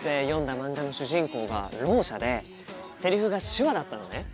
漫画の主人公がろう者でセリフが手話だったのね。